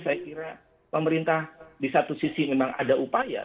saya kira pemerintah di satu sisi memang ada upaya